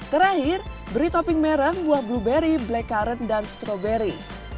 terakhir beri topping merah buah blueberry blackcurrant dan strawberry